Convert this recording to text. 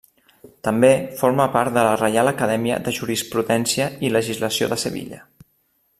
També forma part de la Reial Acadèmia de Jurisprudència i Legislació de Sevilla.